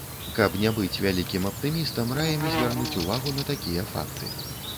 Каб не быць вялікім аптымістам, раім звярнуць увагу на такія факты.